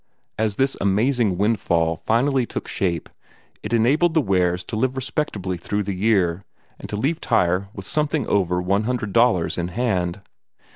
As this amazing windfall finally took shape, it enabled the Wares to live respectably through the year, and to leave Tyre with something over one hundred dollars in hand.